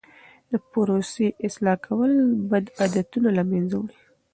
د پروسې اصلاح کول بد عادتونه له منځه وړي.